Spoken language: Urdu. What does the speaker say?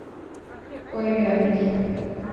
کوریائی